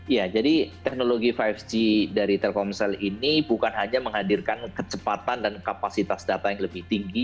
ya jadi teknologi lima g dari telkomsel ini bukan hanya menghadirkan kecepatan dan kapasitas data yang lebih tinggi